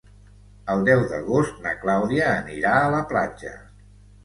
El deu d'agost na Clàudia anirà a la platja.